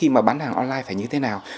mặt hàng online phải như thế nào